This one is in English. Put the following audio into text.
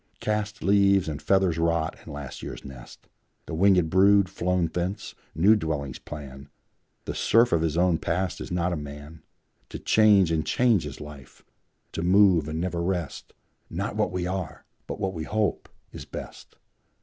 Cast leaves and feathers rot in last year's nest, The wingèd brood, flown thence, new dwellings plan; The serf of his own Past is not a man; To change and change is life, to move and never rest; Not what we are, but what we hope, is best.